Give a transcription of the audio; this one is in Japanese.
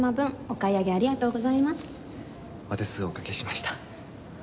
お手数おかけしました。